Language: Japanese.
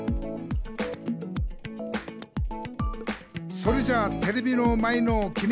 「それじゃテレビの前のきみ！」